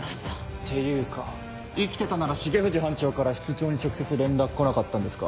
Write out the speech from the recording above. っていうか生きてたなら重藤班長から室長に直接連絡来なかったんですか？